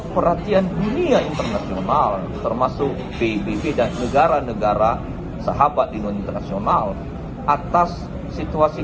perhatian dunia internasional termasuk pbb dan negara negara sahabat di non internasional atas situasi